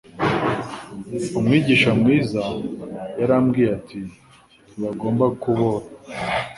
Umwigisha mwiza yarambwiye ati Ntibagomba kubona